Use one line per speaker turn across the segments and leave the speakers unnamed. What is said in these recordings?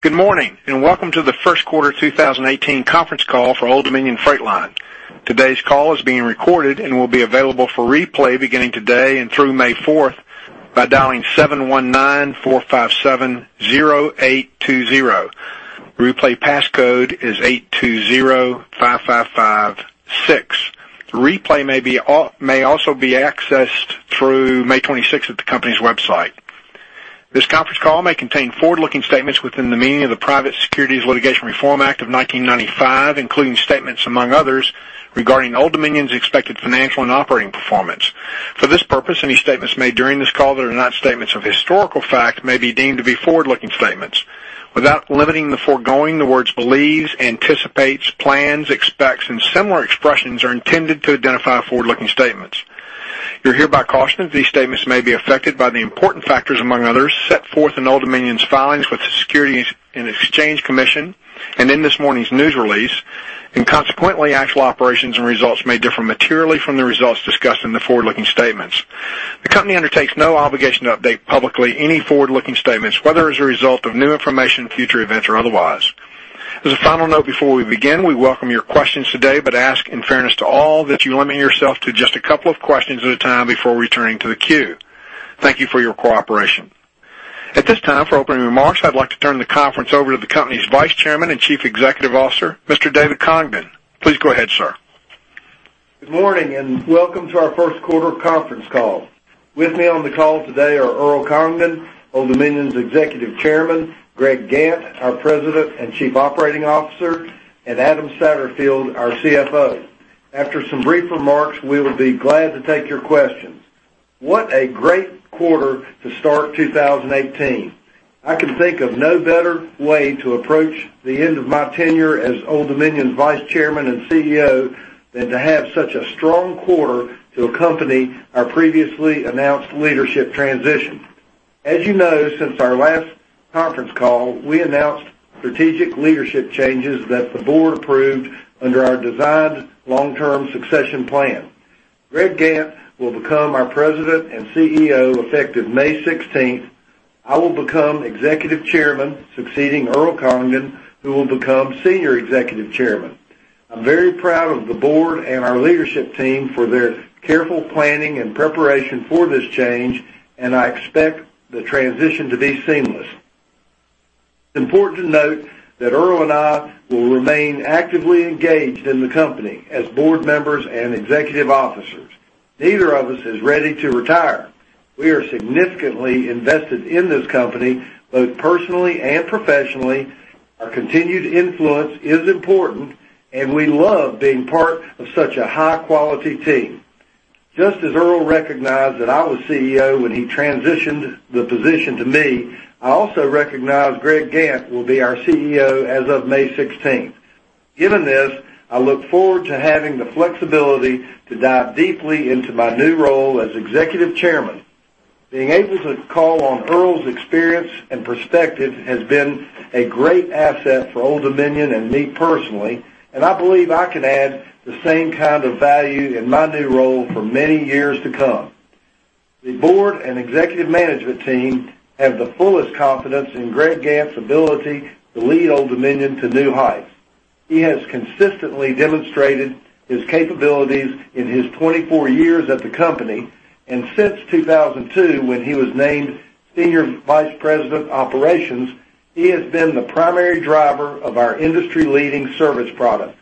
Good morning, welcome to the first quarter 2018 conference call for Old Dominion Freight Line. Today's call is being recorded and will be available for replay beginning today and through May 4th by dialing 719-457-0820. Replay passcode is 8205556. The replay may also be accessed through May 26th at the company's website. This conference call may contain forward-looking statements within the meaning of the Private Securities Litigation Reform Act of 1995, including statements among others regarding Old Dominion's expected financial and operating performance. For this purpose, any statements made during this call that are not statements of historical fact may be deemed to be forward-looking statements. Without limiting the foregoing, the words believes, anticipates, plans, expects, and similar expressions are intended to identify forward-looking statements. You're hereby cautioned that these statements may be affected by the important factors, among others, set forth in Old Dominion's filings with the Securities and Exchange Commission and in this morning's news release, consequently, actual operations and results may differ materially from the results discussed in the forward-looking statements. The company undertakes no obligation to update publicly any forward-looking statements, whether as a result of new information, future events, or otherwise. As a final note, before we begin, we welcome your questions today, ask in fairness to all that you limit yourself to just a couple of questions at a time before returning to the queue. Thank you for your cooperation. At this time, for opening remarks, I'd like to turn the conference over to the company's Vice Chairman and Chief Executive Officer, Mr. David Congdon. Please go ahead, sir.
Good morning, welcome to our first quarter conference call. With me on the call today are Earl Congdon, Old Dominion's Executive Chairman, Greg Gantt, our President and Chief Operating Officer, and Adam Satterfield, our CFO. After some brief remarks, we will be glad to take your questions. What a great quarter to start 2018. I can think of no better way to approach the end of my tenure as Old Dominion's Vice Chairman and CEO than to have such a strong quarter to accompany our previously announced leadership transition. As you know, since our last conference call, we announced strategic leadership changes that the board approved under our desired long-term succession plan. Greg Gantt will become our President and CEO effective May 16th. I will become Executive Chairman, succeeding Earl Congdon, who will become Senior Executive Chairman. I'm very proud of the board and our leadership team for their careful planning and preparation for this change, I expect the transition to be seamless. It's important to note that Earl and I will remain actively engaged in the company as board members and executive officers. Neither of us is ready to retire. We are significantly invested in this company, both personally and professionally. Our continued influence is important, we love being part of such a high-quality team. Just as Earl recognized that I was CEO when he transitioned the position to me, I also recognize Greg Gantt will be our CEO as of May 16th. Given this, I look forward to having the flexibility to dive deeply into my new role as Executive Chairman. Being able to call on Earl's experience and perspective has been a great asset for Old Dominion and me personally, I believe I can add the same kind of value in my new role for many years to come. The board and executive management team have the fullest confidence in Greg Gantt's ability to lead Old Dominion to new heights. He has consistently demonstrated his capabilities in his 24 years at the company, since 2002, when he was named Senior Vice President of Operations, he has been the primary driver of our industry-leading service product.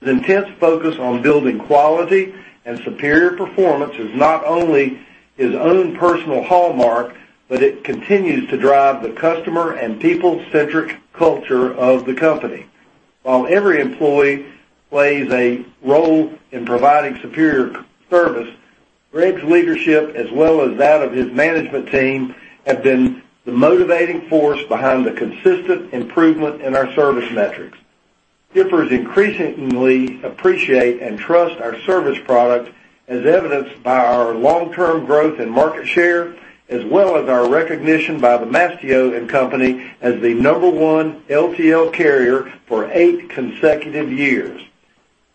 His intense focus on building quality and superior performance is not only his own personal hallmark, it continues to drive the customer and people-centric culture of the company. While every employee plays a role in providing superior service, Greg's leadership, as well as that of his management team, have been the motivating force behind the consistent improvement in our service metrics. Shippers increasingly appreciate and trust our service product, as evidenced by our long-term growth and market share, as well as our recognition by Mastio & Company as the number one LTL carrier for eight consecutive years.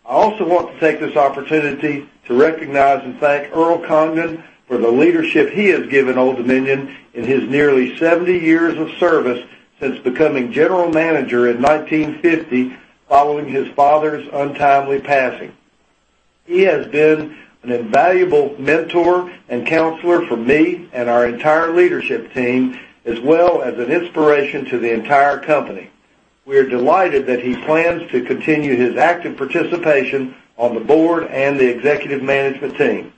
I also want to take this opportunity to recognize and thank Earl Congdon for the leadership he has given Old Dominion in his nearly 70 years of service since becoming general manager in 1950, following his father's untimely passing. He has been an invaluable mentor and counselor for me and our entire leadership team, as well as an inspiration to the entire company. We are delighted that he plans to continue his active participation on the board and the executive management team.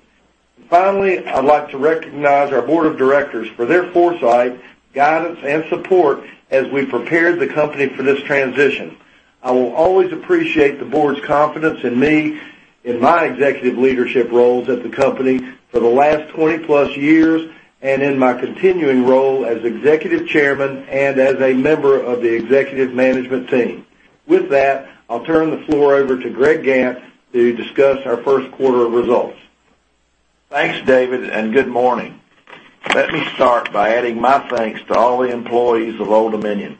I'd like to recognize our board of directors for their foresight, guidance, and support as we prepared the company for this transition. I will always appreciate the board's confidence in me, in my executive leadership roles at the company for the last 20+ years, and in my continuing role as Executive Chairman and as a member of the executive management team. I'll turn the floor over to Greg Gantt to discuss our first quarter results.
Thanks, David. Good morning. Let me start by adding my thanks to all the employees of Old Dominion.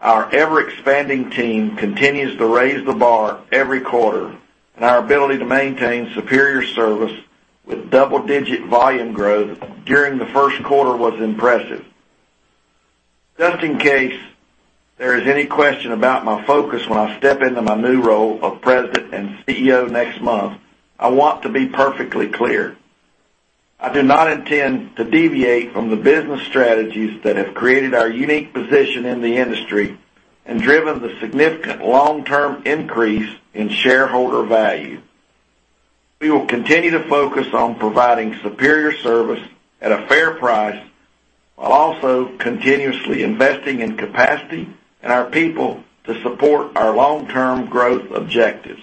Our ever-expanding team continues to raise the bar every quarter, our ability to maintain superior service with double-digit volume growth during the first quarter was impressive. Just in case there is any question about my focus when I step into my new role as President and CEO next month, I want to be perfectly clear. I do not intend to deviate from the business strategies that have created our unique position in the industry and driven the significant long-term increase in shareholder value. We will continue to focus on providing superior service at a fair price, while also continuously investing in capacity and our people to support our long-term growth objectives.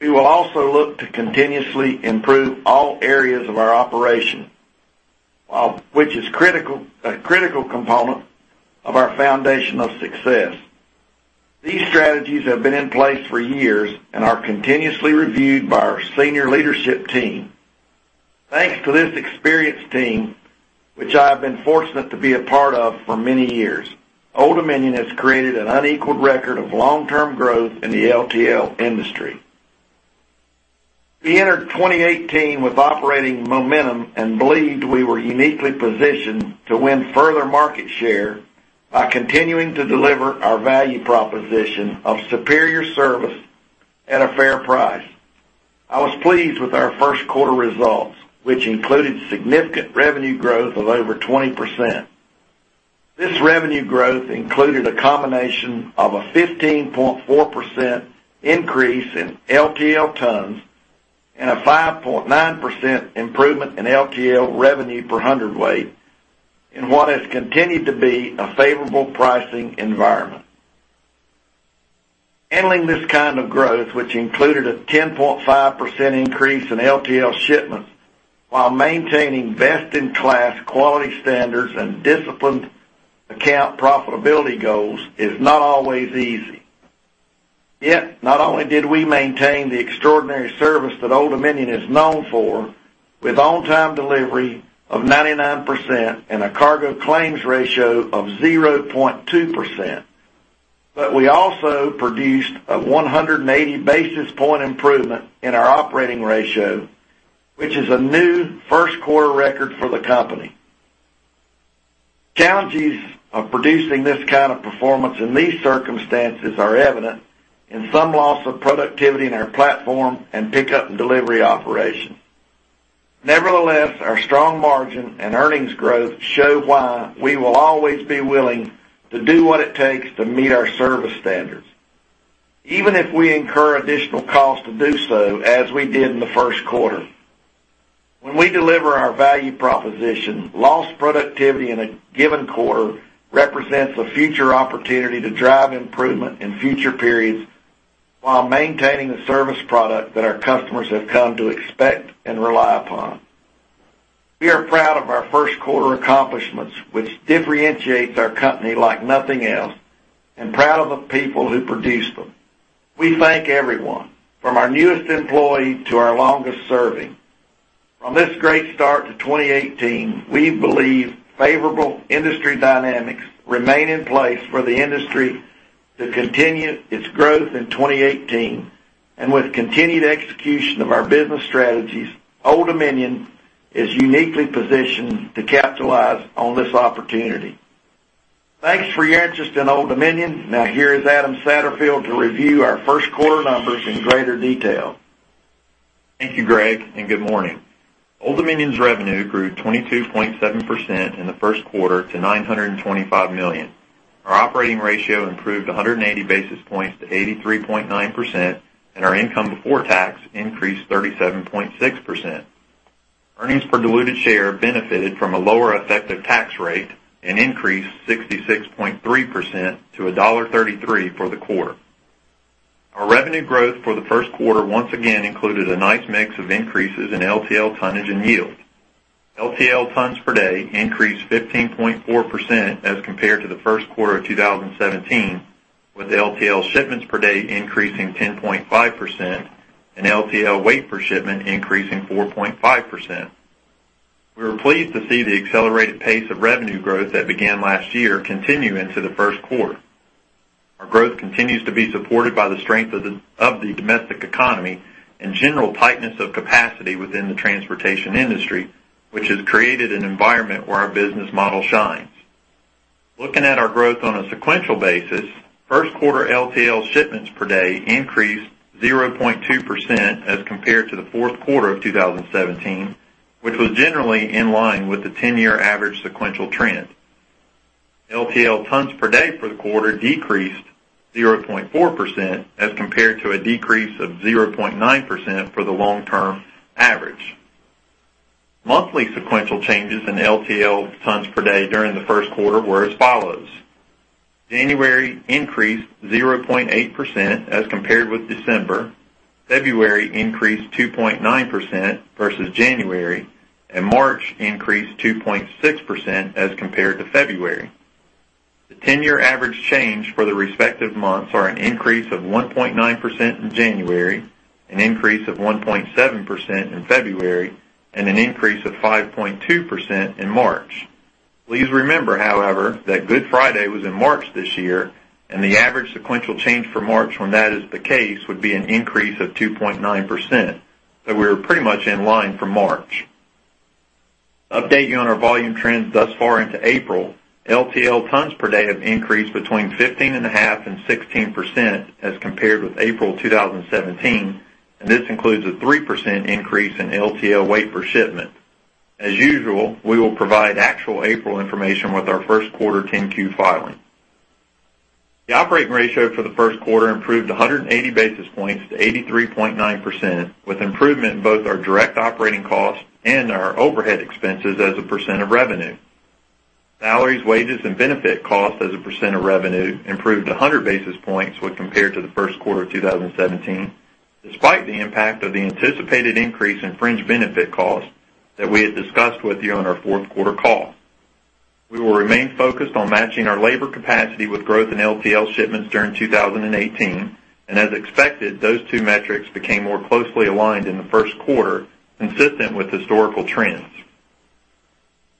We will also look to continuously improve all areas of our operation, which is a critical component of our foundation of success. These strategies have been in place for years and are continuously reviewed by our senior leadership team. Thanks to this experienced team, which I have been fortunate to be a part of for many years, Old Dominion has created an unequaled record of long-term growth in the LTL industry. We entered 2018 with operating momentum and believed we were uniquely positioned to win further market share by continuing to deliver our value proposition of superior service at a fair price. I was pleased with our first quarter results, which included significant revenue growth of over 20%. This revenue growth included a combination of a 15.4% increase in LTL tons and a 5.9% improvement in LTL revenue per hundredweight in what has continued to be a favorable pricing environment. Handling this kind of growth, which included a 10.5% increase in LTL shipments while maintaining best-in-class quality standards and disciplined account profitability goals, is not always easy. Yet, not only did we maintain the extraordinary service that Old Dominion is known for, with on-time delivery of 99% and a cargo claims ratio of 0.2%, but we also produced a 180 basis point improvement in our operating ratio, which is a new first-quarter record for the company. Challenges of producing this kind of performance in these circumstances are evident in some loss of productivity in our platform and pickup and delivery operations. Nevertheless, our strong margin and earnings growth show why we will always be willing to do what it takes to meet our service standards, even if we incur additional costs to do so, as we did in the first quarter. When we deliver our value proposition, lost productivity in a given quarter represents a future opportunity to drive improvement in future periods while maintaining the service product that our customers have come to expect and rely upon. We are proud of our first-quarter accomplishments, which differentiate our company like nothing else, and proud of the people who produce them. We thank everyone, from our newest employee to our longest serving. On this great start to 2018, we believe favorable industry dynamics remain in place for the industry to continue its growth in 2018, and with continued execution of our business strategies, Old Dominion is uniquely positioned to capitalize on this opportunity. Thanks for your interest in Old Dominion. Now here is Adam Satterfield to review our first quarter numbers in greater detail.
Thank you, Greg, and good morning. Old Dominion's revenue grew 22.7% in the first quarter to $925 million. Our operating ratio improved 180 basis points to 83.9%, and our income before tax increased 37.6%. Earnings per diluted share benefited from a lower effective tax rate and increased 66.3% to $1.33 for the quarter. Our revenue growth for the first quarter once again included a nice mix of increases in LTL tonnage and yield. LTL tons per day increased 15.4% as compared to the first quarter of 2017, with LTL shipments per day increasing 10.5% and LTL weight per shipment increasing 4.5%. We were pleased to see the accelerated pace of revenue growth that began last year continue into the first quarter. Our growth continues to be supported by the strength of the domestic economy and general tightness of capacity within the transportation industry, which has created an environment where our business model shines. Looking at our growth on a sequential basis, first quarter LTL shipments per day increased 0.2% as compared to the fourth quarter of 2017, which was generally in line with the 10-year average sequential trend. LTL tons per day for the quarter decreased 0.4%, as compared to a decrease of 0.9% for the long-term average. Monthly sequential changes in LTL tons per day during the first quarter were as follows: January increased 0.8% as compared with December, February increased 2.9% versus January, and March increased 2.6% as compared to February. The 10-year average change for the respective months are an increase of 1.9% in January, an increase of 1.7% in February, and an increase of 5.2% in March. Please remember, however, that Good Friday was in March this year, and the average sequential change for March when that is the case would be an increase of 2.9%, so we were pretty much in line for March. Update you on our volume trends thus far into April. LTL tons per day have increased between 15.5% and 16% as compared with April 2017, and this includes a 3% increase in LTL weight per shipment. As usual, we will provide actual April information with our first quarter 10-Q filing. The operating ratio for the first quarter improved 180 basis points to 83.9%, with improvement in both our direct operating costs and our overhead expenses as a percent of revenue. Salaries, wages, and benefit costs as a percent of revenue improved 100 basis points when compared to the first quarter of 2017, despite the impact of the anticipated increase in fringe benefit costs that we had discussed with you on our fourth quarter call. We will remain focused on matching our labor capacity with growth in LTL shipments during 2018, and as expected, those two metrics became more closely aligned in the first quarter, consistent with historical trends.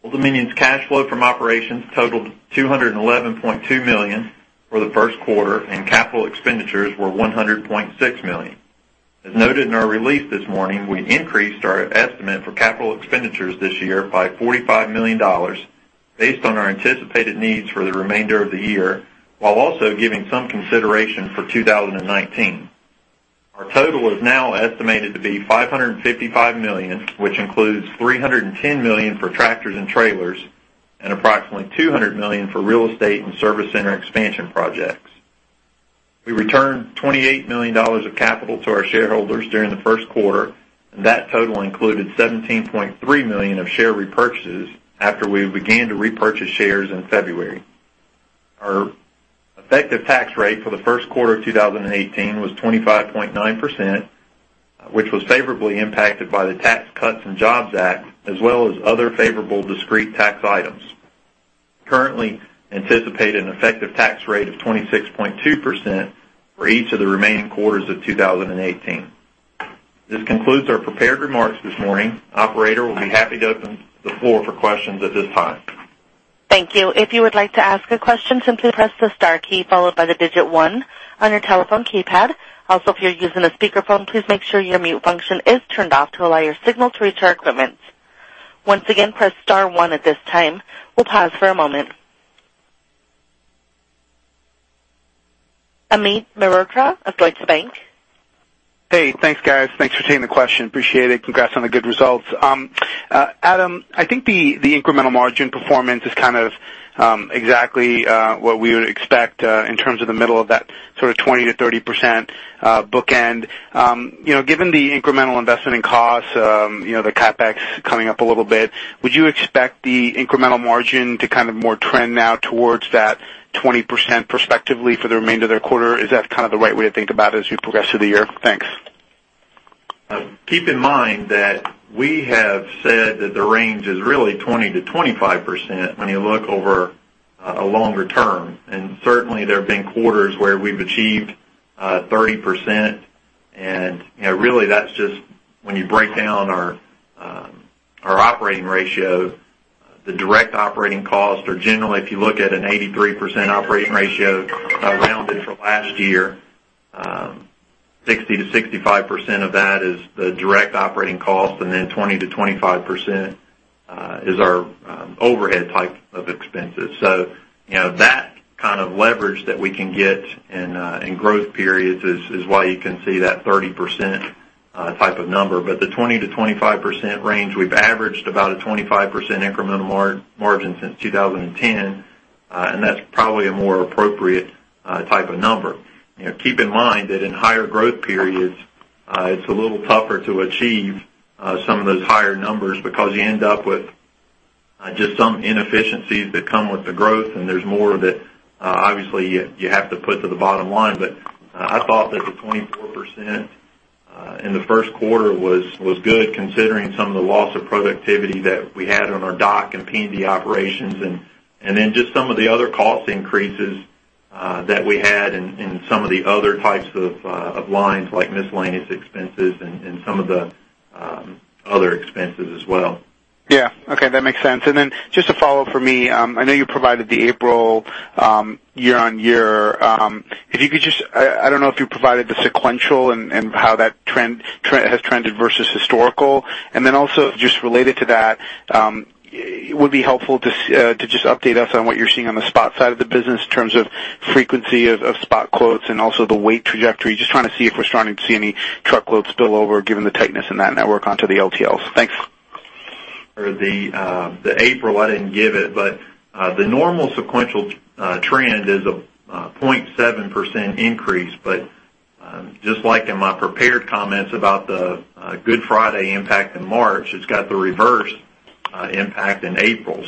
Old Dominion's cash flow from operations totaled $211.2 million for the first quarter, and capital expenditures were $100.6 million. As noted in our release this morning, we increased our estimate for capital expenditures this year by $45 million based on our anticipated needs for the remainder of the year, while also giving some consideration for 2019. Our total is now estimated to be $555 million, which includes $310 million for tractors and trailers, and approximately $200 million for real estate and service center expansion projects. We returned $28 million of capital to our shareholders during the first quarter, and that total included $17.3 million of share repurchases after we began to repurchase shares in February. Our effective tax rate for the first quarter of 2018 was 25.9%, which was favorably impacted by the Tax Cuts and Jobs Act, as well as other favorable discrete tax items. Currently anticipate an effective tax rate of 26.2% for each of the remaining quarters of 2018. This concludes our prepared remarks this morning. Operator, we'll be happy to open the floor for questions at this time.
Thank you. If you would like to ask a question, simply press the star key followed by the digit 1 on your telephone keypad. Also, if you're using a speakerphone, please make sure your mute function is turned off to allow your signal to reach our equipment. Once again, press star 1 at this time. We'll pause for a moment. Amit Mehrotra of Deutsche Bank.
Hey, thanks, guys. Thanks for taking the question. Appreciate it. Congrats on the good results. Adam, I think the incremental margin performance is exactly what we would expect in terms of the middle of that sort of 20%-30% bookend. Given the incremental investment in costs, the CapEx coming up a little bit, would you expect the incremental margin to more trend now towards that 20% prospectively for the remainder of the quarter? Is that the right way to think about it as we progress through the year? Thanks.
Keep in mind that we have said that the range is really 20%-25% when you look over a longer term. Certainly, there have been quarters where we've achieved 30%, and really that's just when you break down our operating ratio, the direct operating costs are generally, if you look at an 83% operating ratio rounded for last year, 60%-65% of that is the direct operating cost, and then 20%-25% is our overhead type of expenses. That kind of leverage that we can get in growth periods is why you can see that 30% type of number. The 20%-25% range, we've averaged about a 25% incremental margin since 2010, and that's probably a more appropriate type of number. Keep in mind that in higher growth periods, it's a little tougher to achieve some of those higher numbers because you end up with just some inefficiencies that come with the growth, and there's more that obviously you have to put to the bottom line. I thought that the 24% in the first quarter was good considering some of the loss of productivity that we had on our dock and P&D operations, and then just some of the other cost increases that we had in some of the other types of lines, like miscellaneous expenses and some of the other expenses as well.
Yeah. Okay. That makes sense. Just a follow-up for me. I know you provided the April year-on-year. I don't know if you provided the sequential and how that has trended versus historical. Also just related to that, it would be helpful to just update us on what you're seeing on the spot side of the business in terms of frequency of spot quotes and also the weight trajectory. Just trying to see if we're starting to see any truckload spillover given the tightness in that network onto the LTLs. Thanks.
The April, I didn't give it, the normal sequential trend is a 0.7% increase. Just like in my prepared comments about the Good Friday impact in March, it's got the reverse impact in April.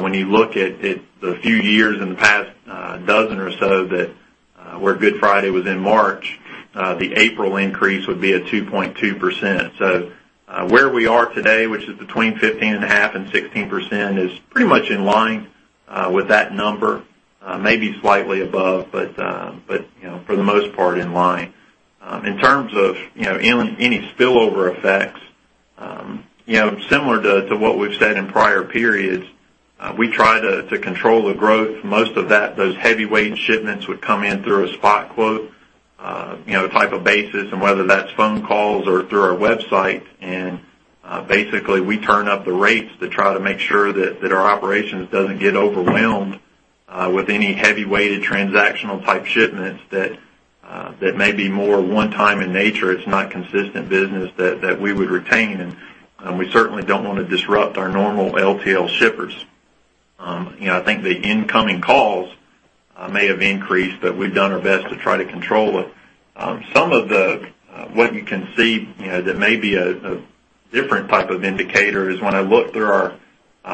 When you look at the few years in the past dozen or so that where Good Friday was in March, the April increase would be a 2.2%. Where we are today, which is between 15.5% and 16%, is pretty much in line with that number, maybe slightly above, but for the most part, in line. In terms of any spillover effects, similar to what we've said in prior periods, we try to control the growth. Most of those heavyweight shipments would come in through a spot quote type of basis, and whether that's phone calls or through our website. Basically, we turn up the rates to try to make sure that our operations doesn't get overwhelmed with any heavy-weighted transactional type shipments that may be more one time in nature. It's not consistent business that we would retain, and we certainly don't want to disrupt our normal LTL shippers. I think the incoming calls may have increased, but we've done our best to try to control it. Some of what you can see that may be a different type of indicator is when I look through our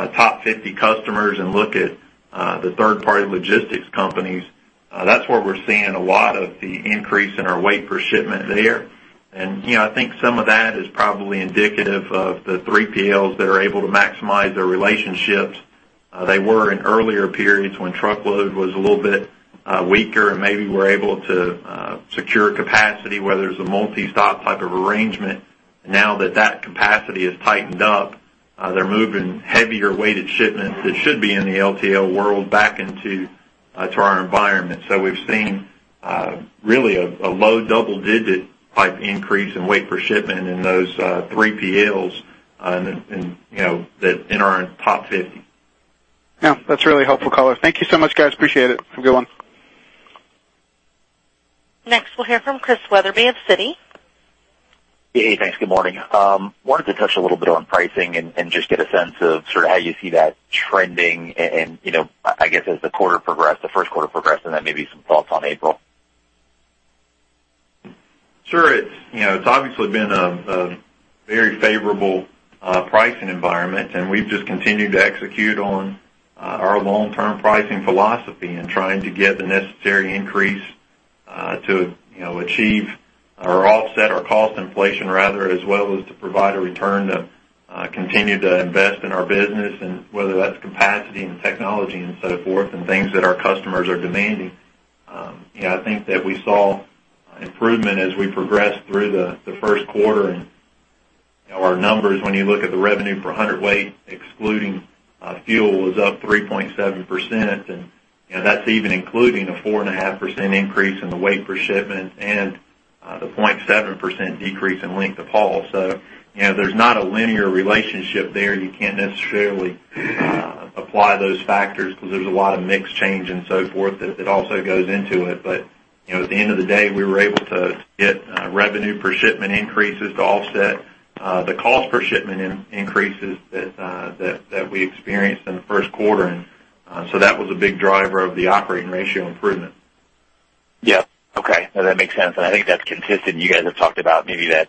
top 50 customers and look at the third-party logistics companies, that's where we're seeing a lot of the increase in our weight per shipment there. I think some of that is probably indicative of the 3PLs that are able to maximize their relationships. They were in earlier periods when truckload was a little bit weaker and maybe were able to secure capacity where there's a multi-stop type of arrangement. Now that that capacity has tightened up, they're moving heavier weighted shipments that should be in the LTL world back into our environment. We've seen really a low double-digit type increase in weight per shipment in those 3PLs that enter in top 50.
Yeah. That's really helpful color. Thank you so much, guys. Appreciate it. Have a good one.
Next, we'll hear from Chris Wetherbee of Citi.
Hey, thanks. Good morning. I wanted to touch a little bit on pricing and just get a sense of how you see that trending, and I guess, as the first quarter progressed, and then maybe some thoughts on April.
Sure. It's obviously been a very favorable pricing environment, and we've just continued to execute on our long-term pricing philosophy and trying to get the necessary increase to achieve or offset our cost inflation, rather, as well as to provide a return to continue to invest in our business, and whether that's capacity and technology and so forth and things that our customers are demanding. I think that we saw improvement as we progressed through the first quarter. Our numbers, when you look at the revenue per hundredweight, excluding fuel, was up 3.7%, and that's even including a 4.5% increase in the weight per shipment and the 0.7% decrease in length of haul. There's not a linear relationship there. You can't necessarily apply those factors because there's a lot of mix change and so forth that also goes into it. At the end of the day, we were able to get revenue per shipment increases to offset the cost per shipment increases that we experienced in the first quarter. That was a big driver of the operating ratio improvement.
Yep. Okay. No, that makes sense. I think that's consistent. You guys have talked about maybe that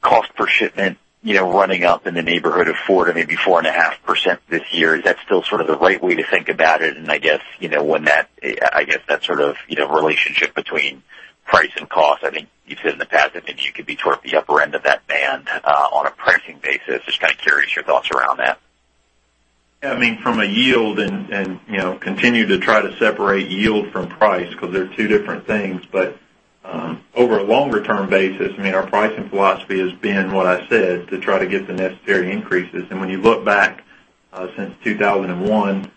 cost per shipment running up in the neighborhood of 4%-4.5% this year. Is that still the right way to think about it? I guess that sort of relationship between price and cost, I think you've said in the past that maybe you could be toward the upper end of that band on a pricing basis. Just curious your thoughts around that.
Yeah. From a yield and continue to try to separate yield from price because they're two different things. Over a longer-term basis, our pricing philosophy has been what I said, to try to get the necessary increases. When you look back since 2001,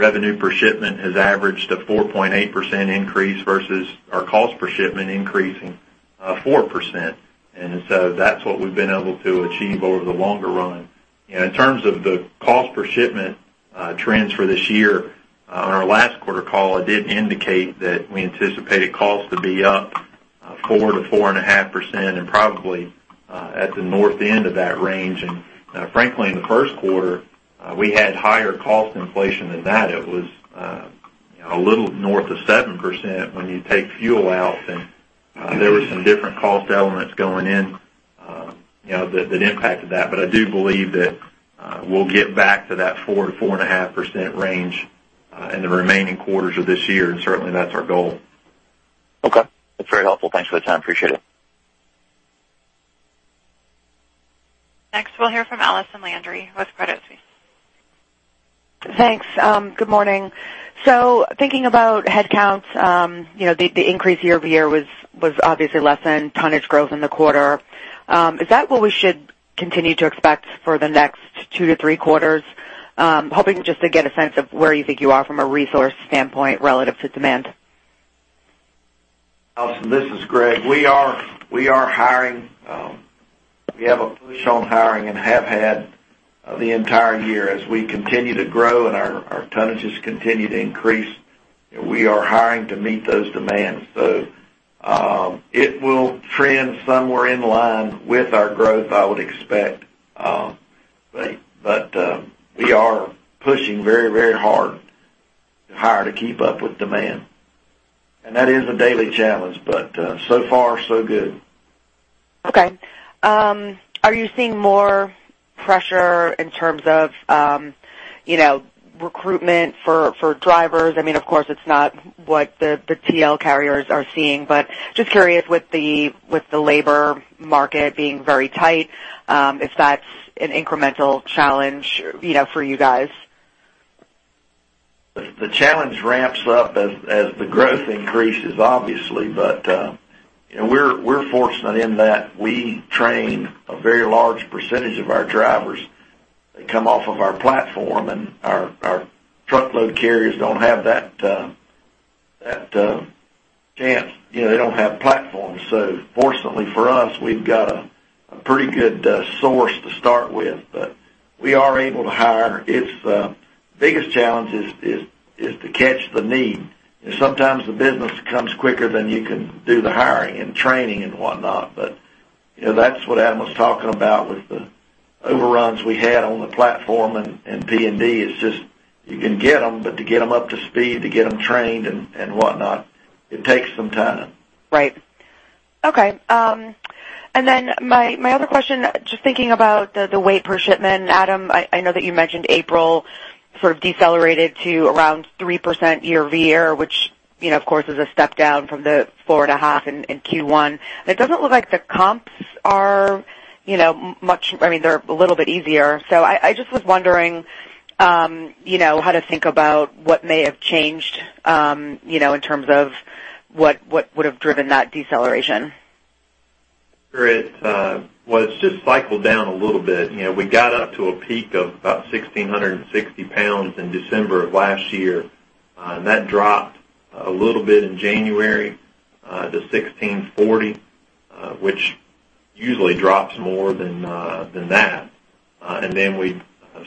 revenue per shipment has averaged a 4.8% increase versus our cost per shipment increasing 4%. That's what we've been able to achieve over the longer run. In terms of the cost per shipment trends for this year, on our last quarter call, I did indicate that we anticipated costs to be up 4%-4.5% and probably at the north end of that range. Frankly, in the first quarter, we had higher cost inflation than that. It was a little north of 7% when you take fuel out, and there were some different cost elements going in that impacted that. I do believe that we'll get back to that 4%-4.5% range in the remaining quarters of this year, and certainly, that's our goal.
Okay. That's very helpful. Thanks for the time. Appreciate it.
Next, we'll hear from Allison Landry with Credit Suisse.
Thanks. Good morning. Thinking about headcounts, the increase year-over-year was obviously less than tonnage growth in the quarter. Is that what we should continue to expect for the next two to three quarters? Hoping just to get a sense of where you think you are from a resource standpoint relative to demand.
Allison, this is Greg. We are hiring. We have a push on hiring and have had the entire year as we continue to grow and our tonnages continue to increase. We are hiring to meet those demands. It will trend somewhere in line with our growth, I would expect. We are pushing very hard to hire to keep up with demand. That is a daily challenge, but so far so good.
Okay. Are you seeing more pressure in terms of recruitment for drivers? Of course, it's not what the TL carriers are seeing, but just curious with the labor market being very tight, if that's an incremental challenge for you guys.
The challenge ramps up as the growth increases, obviously. We're fortunate in that we train a very large percentage of our drivers that come off of our platform, and our truckload carriers don't have that chance. They don't have platforms. Fortunately for us, we've got a pretty good source to start with. We are able to hire. The biggest challenge is to catch the need. Sometimes the business comes quicker than you can do the hiring and training and whatnot. That's what Adam was talking about with the overruns we had on the platform and P&D is just, you can get them, but to get them up to speed, to get them trained and whatnot, it takes some time.
Right. Okay. My other question, just thinking about the weight per shipment. Adam, I know that you mentioned April sort of decelerated to around 3% year-over-year, which, of course, is a step down from the 4.5% in Q1. It doesn't look like the comps are much I mean, they're a little bit easier. I just was wondering how to think about what may have changed in terms of what would have driven that deceleration.
Sure. Well, it's just cycled down a little bit. We got up to a peak of about 1,660 pounds in December of last year. That dropped a little bit in January to 1,640, which usually drops more than that. We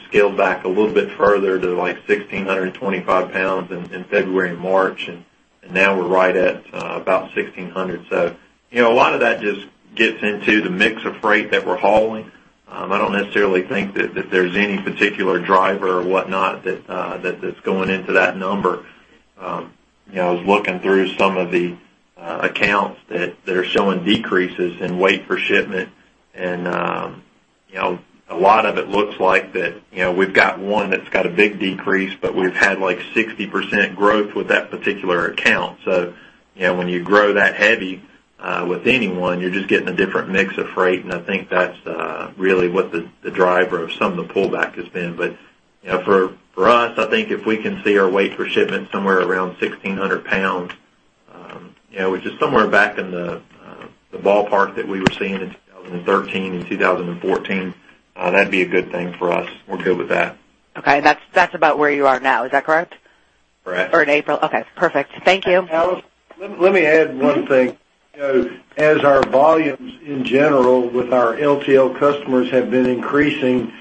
scaled back a little bit further to, like, 1,625 pounds in February and March, and now we're right at about 1,600. A lot of that just gets into the mix of freight that we're hauling. I don't necessarily think that there's any particular driver or whatnot that's going into that number. I was looking through some of the accounts that are showing decreases in weight per shipment, and a lot of it looks like that we've got one that's got a big decrease, but we've had, like, 60% growth with that particular account. When you grow that heavy with anyone, you're just getting a different mix of freight, and I think that's really what the driver of some of the pullback has been. For us, I think if we can see our weight per shipment somewhere around 1,600 pounds, which is somewhere back in the ballpark that we were seeing in 2013 and 2014, that'd be a good thing for us. We're good with that.
Okay. That's about where you are now. Is that correct?
Correct.
In April. Okay, perfect. Thank you.
Allison, let me add one thing. As our volumes in general with our LTL customers have been increasing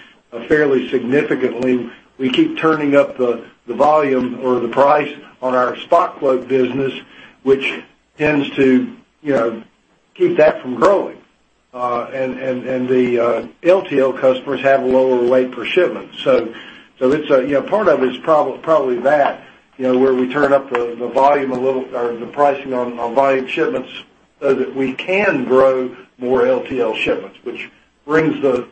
fairly significantly, we keep turning up the volume or the price on our spot quote business, which tends to keep that from growing. The LTL customers have a lower weight per shipment. Part of it's probably that where we turn up the volume a little or the pricing on volume shipments so that we can grow more LTL shipments, which brings the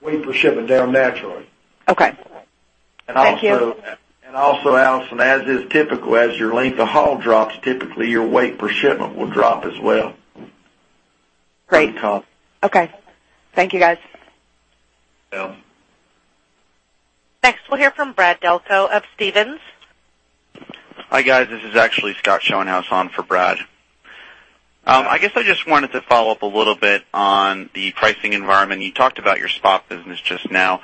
weight per shipment down naturally.
Okay. Thank you.
Also, Allison, as is typical, as your length of haul drops, typically your weight per shipment will drop as well.
Great.
On top.
Okay. Thank you, guys.
You're welcome.
Next, we'll hear from Brad Delco of Stephens.
Hi, guys. This is actually Scott Schoenhaus on for Brad. I guess I just wanted to follow up a little bit on the pricing environment. You talked about your spot business just now.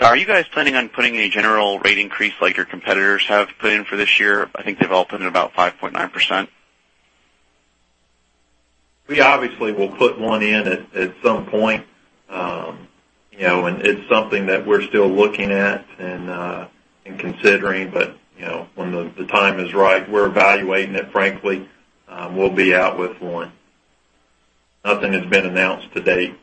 Are you guys planning on putting a general rate increase like your competitors have put in for this year? I think they've all put in about 5.9%.
We obviously will put one in at some point. It's something that we're still looking at and considering. When the time is right, we're evaluating it, frankly, we'll be out with one. Nothing has been announced to date.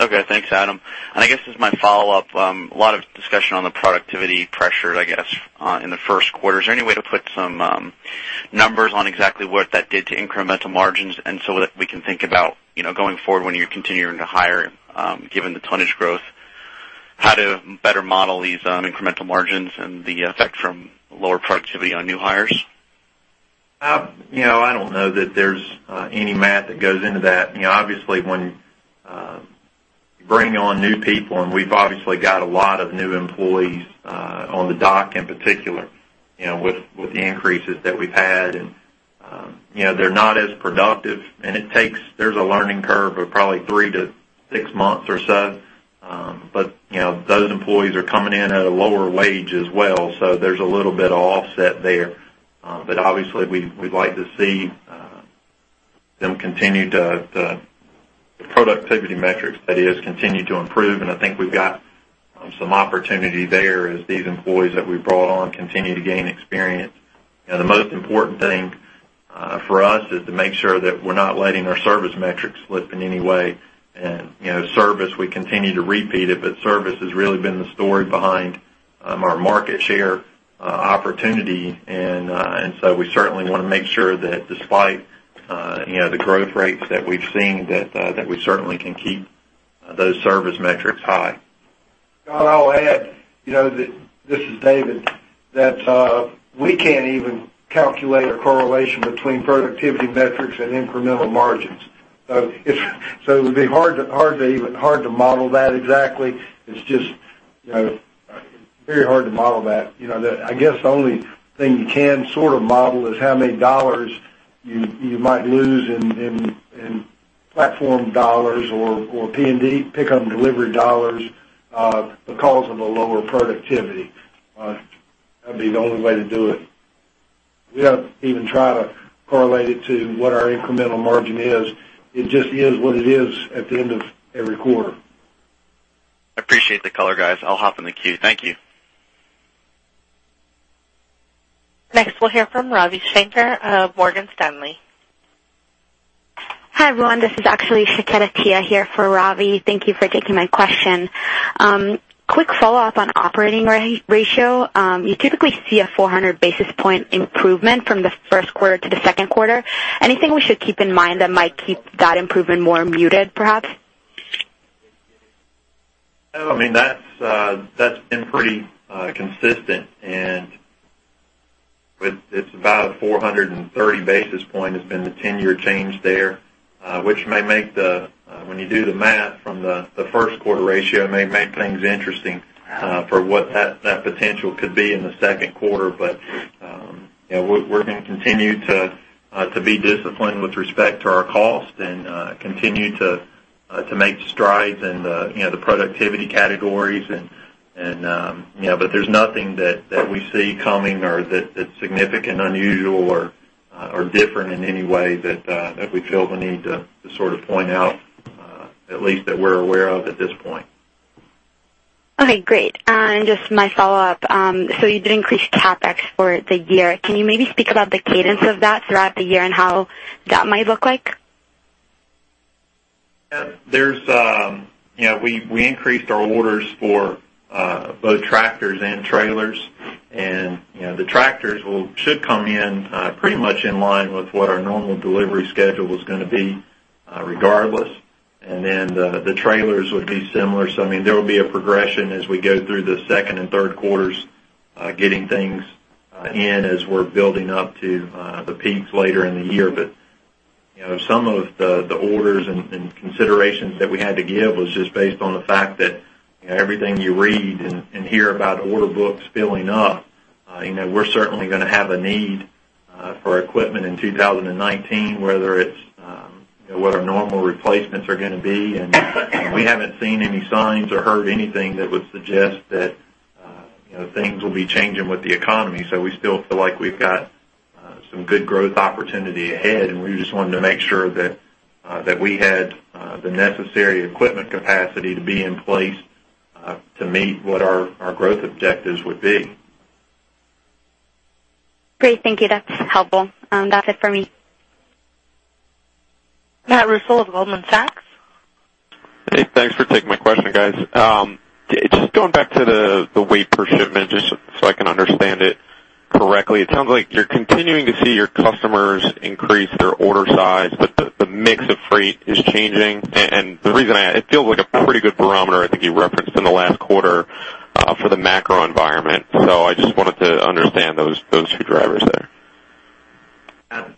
Okay. Thanks, Adam. I guess as my follow-up, a lot of discussion on the productivity pressure, I guess, in the first quarter. Is there any way to put some numbers on exactly what that did to incremental margins that we can think about going forward when you're continuing to hire, given the tonnage growth, how to better model these incremental margins and the effect from lower productivity on new hires?
I don't know that there's any math that goes into that. Obviously, when you bring on new people, we've obviously got a lot of new employees on the dock in particular, with the increases that we've had, they're not as productive. There's a learning curve of probably three to six months or so. Those employees are coming in at a lower wage as well. There's a little bit of offset there. Obviously, we'd like to see them continue the productivity metrics that is continued to improve. I think we've got some opportunity there as these employees that we brought on continue to gain experience. The most important thing for us is to make sure that we're not letting our service metrics slip in any way. Service, we continue to repeat it, service has really been the story behind our market share opportunity. We certainly want to make sure that despite the growth rates that we've seen, that we certainly can keep those service metrics high.
Scott, I'll add, this is David, that we can't even calculate a correlation between productivity metrics and incremental margins
It would be hard to model that exactly. It's just very hard to model that. I guess the only thing you can sort of model is how many dollars you might lose in platform dollars or P&D, pick-up and delivery dollars, because of the lower productivity. That'd be the only way to do it. We don't even try to correlate it to what our incremental margin is. It just is what it is at the end of every quarter.
I appreciate the color, guys. I'll hop in the queue. Thank you.
Next, we'll hear from Ravi Shanker of Morgan Stanley.
Hi, everyone, this is actually Shiketa Piya here for Ravi. Thank you for taking my question. Quick follow-up on operating ratio. You typically see a 400 basis point improvement from the first quarter to the second quarter. Anything we should keep in mind that might keep that improvement more muted, perhaps?
No, that's been pretty consistent, it's about 430 basis points has been the 10-year change there. Which, when you do the math from the first quarter ratio, may make things interesting for what that potential could be in the second quarter. We're going to continue to be disciplined with respect to our costs and continue to make strides in the productivity categories. There's nothing that we see coming or that's significant, unusual, or different in any way that we feel the need to point out, at least that we're aware of at this point.
Okay, great. Just my follow-up. You did increase CapEx for the year. Can you maybe speak about the cadence of that throughout the year and how that might look like?
Yeah. We increased our orders for both tractors and trailers, the tractors should come in pretty much in line with what our normal delivery schedule was going to be regardless. The trailers would be similar. There will be a progression as we go through the second and third quarters, getting things in as we're building up to the peaks later in the year. Some of the orders and considerations that we had to give was just based on the fact that everything you read and hear about order books filling up, we're certainly going to have a need for equipment in 2019, whether it's what our normal replacements are going to be. We haven't seen any signs or heard anything that would suggest that things will be changing with the economy. We still feel like we've got some good growth opportunity ahead, we just wanted to make sure that we had the necessary equipment capacity to be in place to meet what our growth objectives would be.
Great, thank you. That's helpful. That's it for me.
Matthew Reustle of Goldman Sachs.
Hey, thanks for taking my question, guys. Just going back to the weight per shipment, just so I can understand it correctly. It sounds like you're continuing to see your customers increase their order size, but the mix of freight is changing. The reason, it feels like a pretty good barometer, I think you referenced in the last quarter for the macro environment. I just wanted to understand those two drivers there.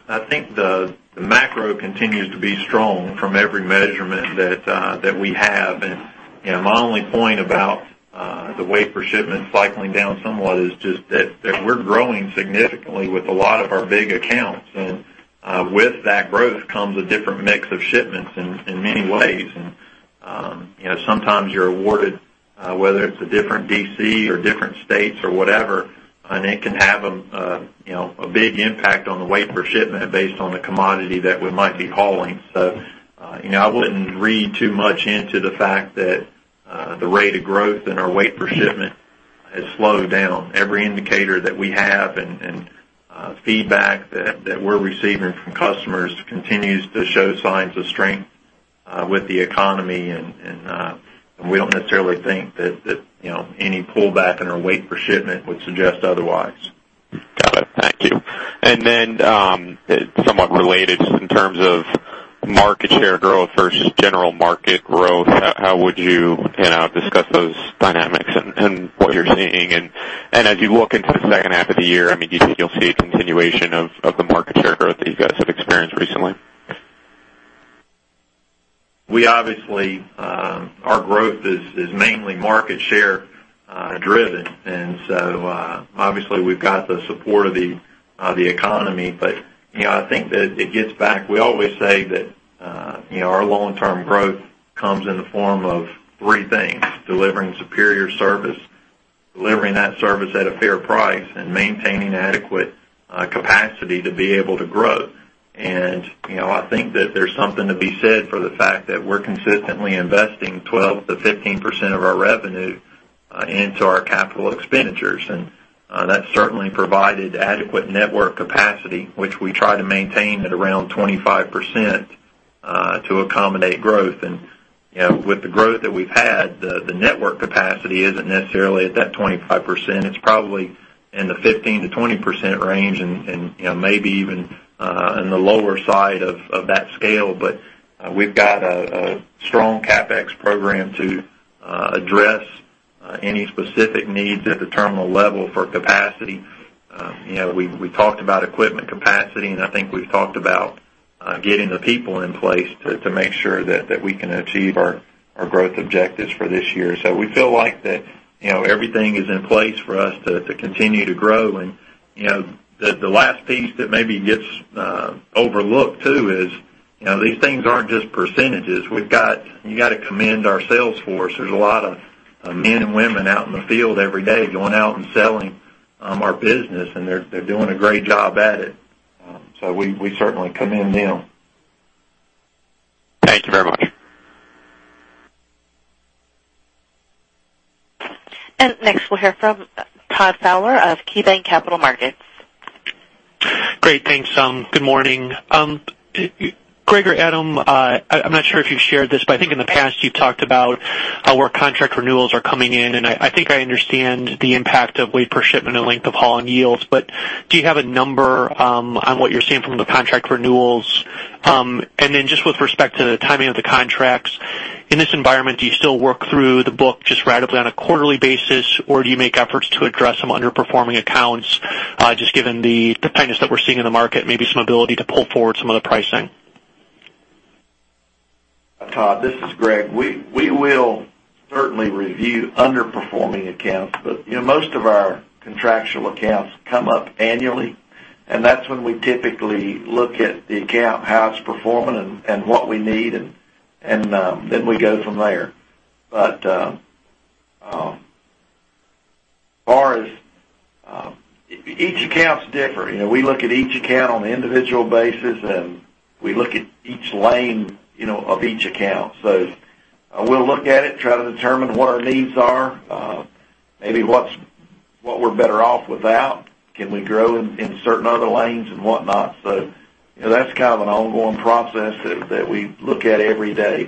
I think the macro continues to be strong from every measurement that we have. My only point about the weight per shipment cycling down somewhat is just that we're growing significantly with a lot of our big accounts. With that growth comes a different mix of shipments in many ways. Sometimes you're awarded, whether it's a different DC or different states or whatever, and it can have a big impact on the weight per shipment based on the commodity that we might be hauling. I wouldn't read too much into the fact that the rate of growth in our weight per shipment has slowed down. Every indicator that we have and feedback that we're receiving from customers continues to show signs of strength with the economy. We don't necessarily think that any pullback in our weight per shipment would suggest otherwise.
Got it. Thank you. Somewhat related, just in terms of market share growth versus general market growth, how would you discuss those dynamics and what you're seeing? As you look into the second half of the year, do you think you'll see a continuation of the market share growth that you guys have experienced recently?
Our growth is mainly market share driven, obviously we've got the support of the economy. I think that it gets back We always say that our long-term growth comes in the form of three things: delivering superior service, delivering that service at a fair price, and maintaining adequate capacity to be able to grow. I think that there's something to be said for the fact that we're consistently investing 12%-15% of our revenue into our capital expenditures. That's certainly provided adequate network capacity, which we try to maintain at around 25% to accommodate growth. With the growth that we've had, the network capacity isn't necessarily at that 25%. It's probably in the 15%-20% range and maybe even in the lower side of that scale. We've got a strong CapEx program to address any specific needs at the terminal level for capacity. We talked about equipment capacity, I think we've talked about getting the people in place to make sure that we can achieve our growth objectives for this year. We feel like that everything is in place for us to continue to grow. The last piece that maybe gets overlooked too is, these things aren't just percentages. You got to commend our sales force. There's a lot of men and women out in the field every day going out and selling our business, and they're doing a great job at it. We certainly commend them.
Thank you very much.
Next we'll hear from Todd Fowler of KeyBanc Capital Markets.
Great. Thanks. Good morning. Greg or Adam, I'm not sure if you've shared this, but I think in the past you've talked about where contract renewals are coming in, and I think I understand the impact of weight per shipment and length of haul and yields. Do you have a number on what you're seeing from the contract renewals? Just with respect to the timing of the contracts, in this environment, do you still work through the book just radically on a quarterly basis, or do you make efforts to address some underperforming accounts, just given the tightness that we're seeing in the market, maybe some ability to pull forward some of the pricing?
Todd, this is Greg. We will certainly review underperforming accounts, but most of our contractual accounts come up annually, and that's when we typically look at the account, how it's performing and what we need, and then we go from there. Each account is different. We look at each account on an individual basis, and we look at each lane of each account. We'll look at it, try to determine what our needs are, maybe what we're better off without. Can we grow in certain other lanes and whatnot? That's kind of an ongoing process that we look at every day.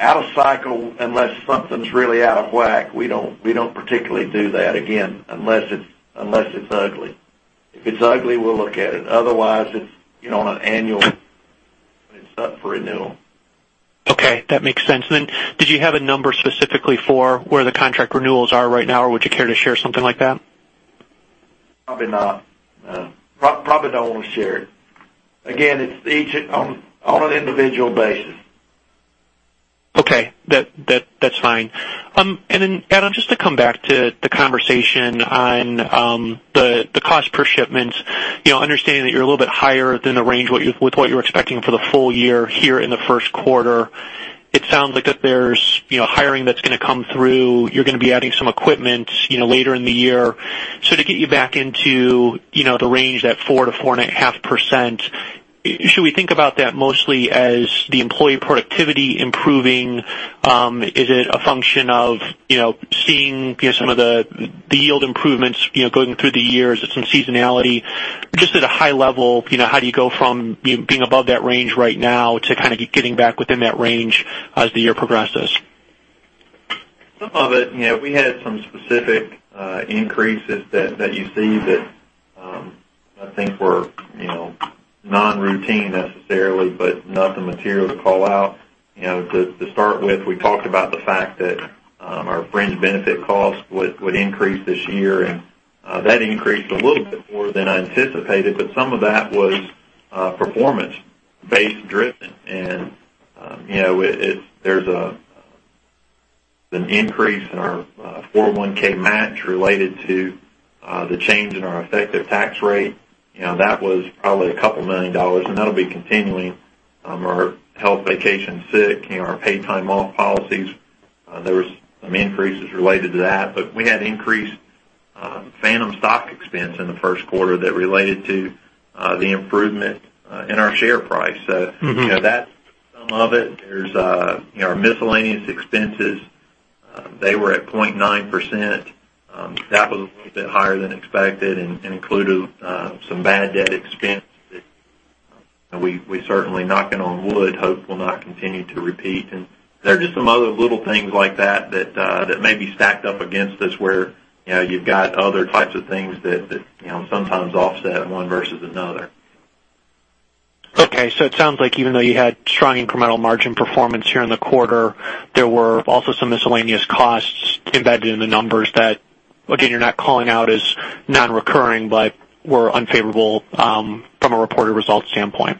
Out of cycle, unless something's really out of whack, we don't particularly do that again unless it's ugly. If it's ugly, we'll look at it. Otherwise, it's on an annual when it's up for renewal.
Okay, that makes sense. Did you have a number specifically for where the contract renewals are right now, or would you care to share something like that?
Probably not. Probably don't want to share it. Again, it's on an individual basis.
Okay. That's fine. Adam, just to come back to the conversation on the cost per shipments, understanding that you're a little bit higher than the range with what you were expecting for the full year here in the first quarter, it sounds like that there's hiring that's going to come through. You're going to be adding some equipment later in the year. To get you back into the range, that 4%-4.5%, should we think about that mostly as the employee productivity improving? Is it a function of seeing some of the yield improvements going through the years and some seasonality? Just at a high level, how do you go from being above that range right now to kind of getting back within that range as the year progresses?
Some of it, we had some specific increases that you see that I think were non-routine necessarily, but nothing material to call out. To start with, we talked about the fact that our fringe benefit costs would increase this year, and that increased a little bit more than I anticipated. Some of that was performance-based driven. There's an increase in our 401 match related to the change in our effective tax rate. That was probably a couple million dollars, and that'll be continuing. Our health, vacation, sick, our paid time off policies, there was some increases related to that. We had increased phantom stock expense in the first quarter that related to the improvement in our share price. That's some of it. There's our miscellaneous expenses. They were at 0.9%. That was a little bit higher than expected and included some bad debt expense that we certainly, knocking on wood, hope will not continue to repeat. There are just some other little things like that that may be stacked up against us where you've got other types of things that sometimes offset one versus another.
Okay. It sounds like even though you had strong incremental margin performance here in the quarter, there were also some miscellaneous costs embedded in the numbers that, again, you're not calling out as non-recurring, but were unfavorable from a reported results standpoint.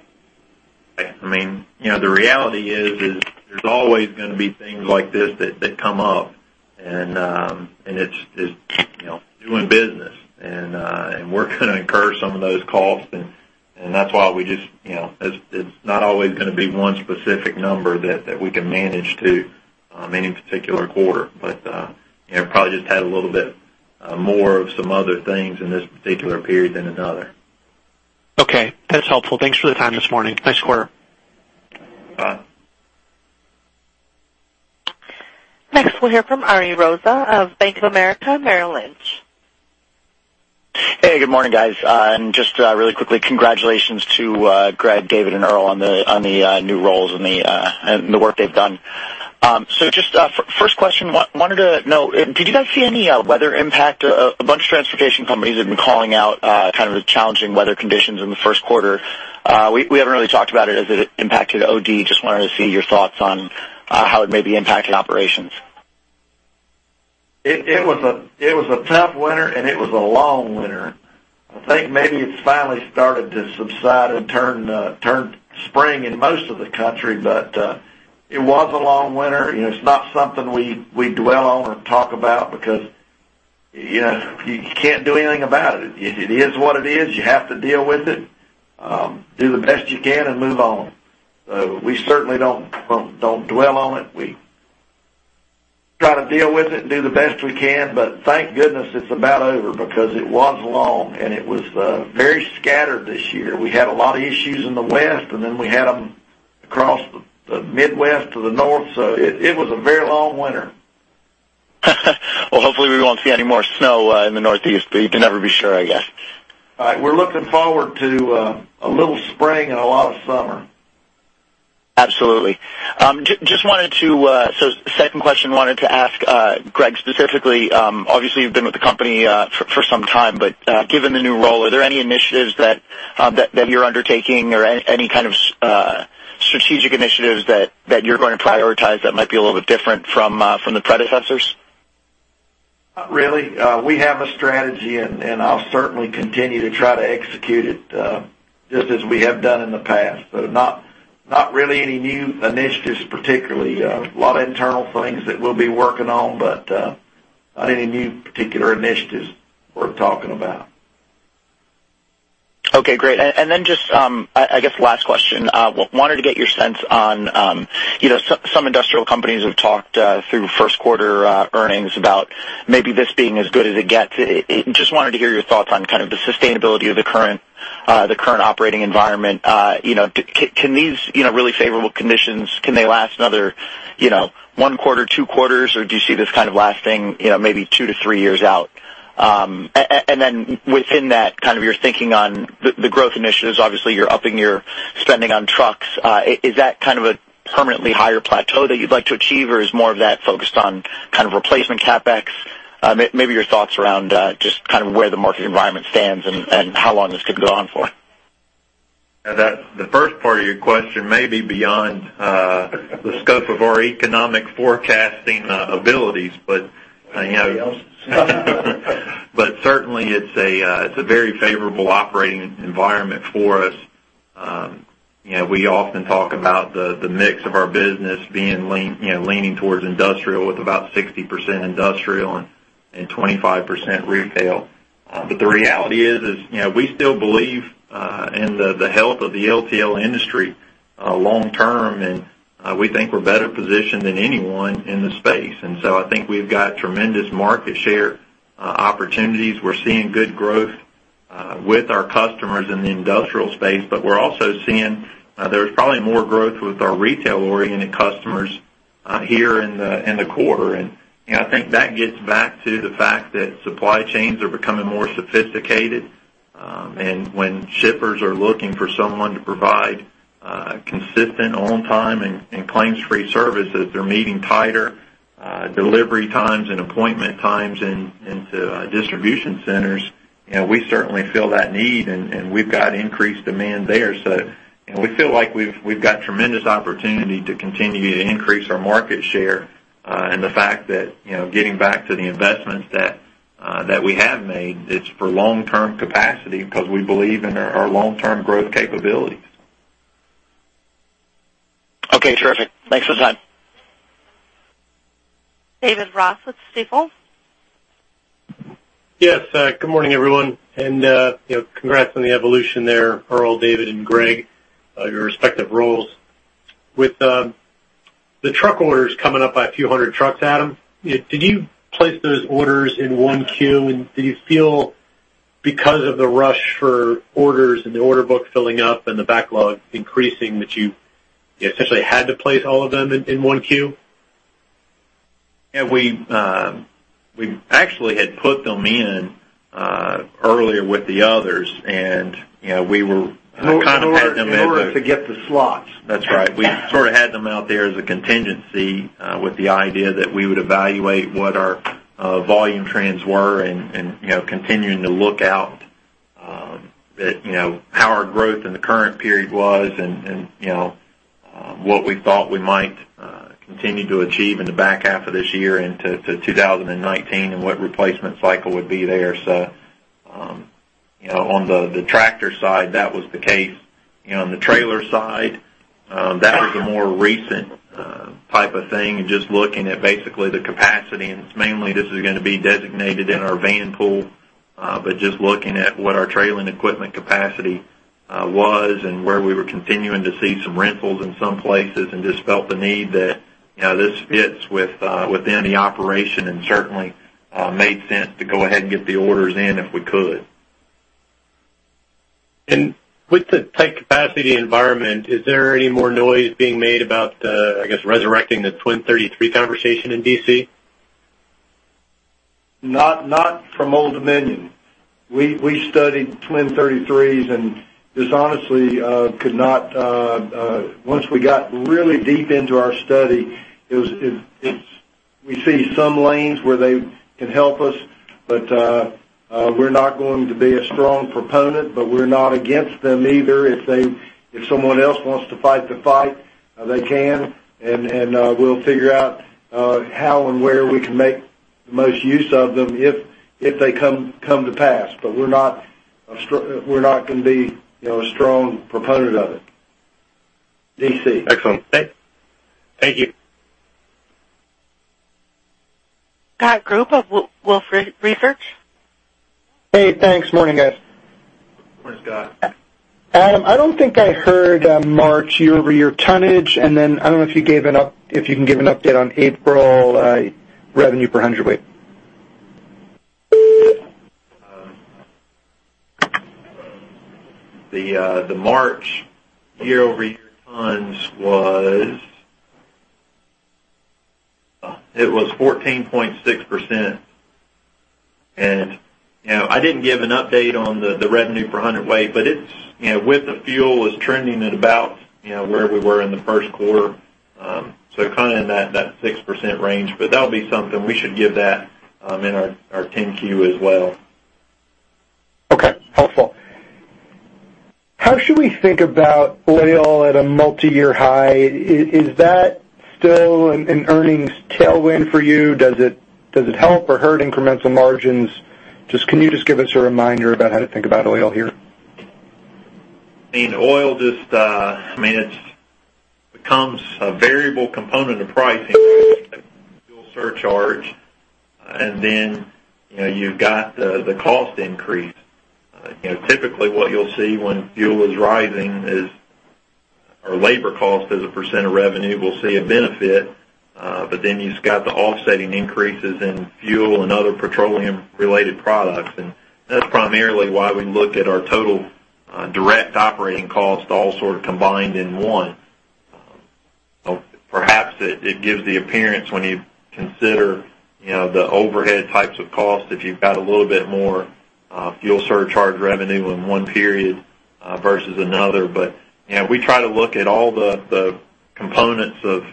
I mean, the reality is there's always going to be things like this that come up, and it's doing business. We're going to incur some of those costs, and that's why it's not always going to be one specific number that we can manage to any particular quarter. Probably just had a little bit more of some other things in this particular period than another.
Okay. That's helpful. Thanks for the time this morning. Nice quarter.
Bye.
Next, we'll hear from Ariel Rosa of Bank of America Merrill Lynch.
Hey, good morning, guys. Just really quickly, congratulations to Greg, David, and Earl on the new roles and the work they've done. Just first question, wanted to know, did you guys see any weather impact? A bunch of transportation companies have been calling out kind of the challenging weather conditions in the first quarter. We haven't really talked about it as it impacted Old Dominion. Just wanted to see your thoughts on how it may be impacting operations.
It was a tough winter, and it was a long winter. I think maybe it's finally started to subside and turn to spring in most of the country. It was a long winter. It's not something we dwell on or talk about because you can't do anything about it. It is what it is. You have to deal with it. Do the best you can and move on. We certainly don't dwell on it. We try to deal with it and do the best we can. Thank goodness it's about over because it was long, and it was very scattered this year. We had a lot of issues in the West, and then we had them across the Midwest to the North. It was a very long winter.
Well, hopefully we won't see any more snow in the Northeast, but you can never be sure, I guess.
All right. We're looking forward to a little spring and a lot of summer.
Absolutely. Second question, wanted to ask Greg specifically. Obviously, you've been with the company for some time. Given the new role, are there any initiatives that you're undertaking or any kind of strategic initiatives that you're going to prioritize that might be a little bit different from the predecessors?
Not really. We have a strategy, and I'll certainly continue to try to execute it, just as we have done in the past. Not really any new initiatives particularly. A lot of internal things that we'll be working on, but not any new particular initiatives worth talking about.
Okay, great. Then just, I guess the last question. Wanted to get your sense on, some industrial companies have talked through first quarter earnings about maybe this being as good as it gets. Just wanted to hear your thoughts on kind of the sustainability of the current operating environment. Can these really favorable conditions, can they last another one quarter, two quarters, or do you see this lasting maybe two to three years out? Then within that, your thinking on the growth initiatives, obviously you're upping your spending on trucks. Is that a permanently higher plateau that you'd like to achieve, or is more of that focused on replacement CapEx? Maybe your thoughts around just where the market environment stands and how long this could go on for.
The first part of your question may be beyond the scope of our economic forecasting abilities.
Somebody else's.
Certainly it's a very favorable operating environment for us. We often talk about the mix of our business leaning towards industrial with about 60% industrial and 25% retail. The reality is we still believe in the health of the LTL industry long term, and we think we're better positioned than anyone in the space. I think we've got tremendous market share opportunities. We're seeing good growth with our customers in the industrial space, but we're also seeing there's probably more growth with our retail-oriented customers here in the quarter. I think that gets back to the fact that supply chains are becoming more sophisticated, and when shippers are looking for someone to provide consistent, on time, and claims-free services, they're meeting tighter delivery times and appointment times into distribution centers. We certainly fill that need, and we've got increased demand there. We feel like we've got tremendous opportunity to continue to increase our market share. The fact that, getting back to the investments that we have made, it's for long-term capacity because we believe in our long-term growth capabilities.
Okay, terrific. Thanks for the time.
David Ross with Stifel.
Yes. Good morning, everyone, and congrats on the evolution there, Earl, David, and Greg, your respective roles. With the truck orders coming up by a few hundred trucks, Adam, did you place those orders in 1Q, and do you feel because of the rush for orders and the order book filling up and the backlog increasing, that you essentially had to place all of them in 1Q?
Yeah, we actually had put them in earlier with the others.
In order to get the slots.
That's right. We sort of had them out there as a contingency with the idea that we would evaluate what our volume trends were and continuing to look out how our growth in the current period was and what we thought we might continue to achieve in the back half of this year into 2019 and what replacement cycle would be there. On the tractor side, that was the case. On the trailer side, that was a more recent type of thing, just looking at basically the capacity, and it's mainly this is going to be designated in our vanpool. Just looking at what our trailing equipment capacity was and where we were continuing to see some rentals in some places and just felt the need that this fits within the operation and certainly made sense to go ahead and get the orders in if we could.
With the tight capacity environment, is there any more noise being made about, I guess, resurrecting the twin 33s conversation in D.C.?
Not from Old Dominion. We studied twin 33s, and just honestly could not.
We see some lanes where they can help us, but we're not going to be a strong proponent. We're not against them either. If someone else wants to fight the fight, they can, and we'll figure out how and where we can make the most use of them if they come to pass. We're not going to be a strong proponent of it. D.C.
Excellent. Thank you.
Scott Group of Wolfe Research.
Hey, thanks. Morning, guys.
Morning, Scott.
Adam, I don't think I heard March year-over-year tonnage, and then I don't know if you can give an update on April revenue per hundredweight.
The March year-over-year tonnage was 14.6%. I didn't give an update on the revenue per hundredweight, but with the fuel, it's trending at about where we were in the first quarter. Kind of in that 6% range. That'll be something. We should give that in our 10-Q as well.
Okay. Helpful. How should we think about oil at a multi-year high? Is that still an earnings tailwind for you? Does it help or hurt incremental margins? Can you just give us a reminder about how to think about oil here?
Oil just becomes a variable component of pricing fuel surcharge. You've got the cost increase. Typically, what you'll see when fuel is rising is our labor cost as a % of revenue will see a benefit. You've got the offsetting increases in fuel and other petroleum-related products. That's primarily why we look at our total direct operating cost all sort of combined in one. Perhaps it gives the appearance when you consider the overhead types of costs, if you've got a little bit more fuel surcharge revenue in one period versus another. We try to look at all the components of